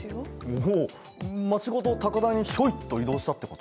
おお町ごと高台にヒョイッと移動したってこと？